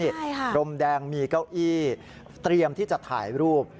ใช่ค่ะรมแดงมีเก้าอี้เตรียมที่จะถ่ายรูป